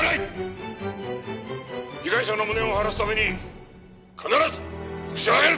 被害者の無念を晴らすために必ずホシを挙げる！